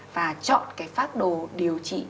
và chọn cái phác đồ điều trị